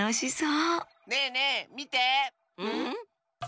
うん？